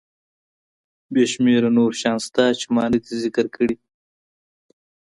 بې شمېره نور شیان شته چې ما ندي ذکر کړي.